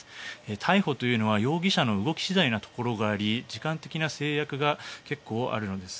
逮捕というのは容疑者の動き次第なところがあり時間的な制約が結構、あるのです。